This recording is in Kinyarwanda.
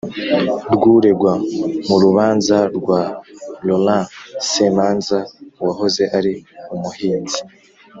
rw uregwa mu rubanza rwa Laurent Semanza uwahoze ari umuhinzi